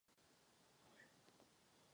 Na onemocnění není k dispozici žádná vakcína.